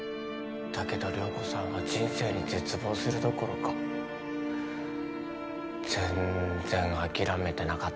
だけど涼子さんは人生に絶望するどころか全然諦めてなかった。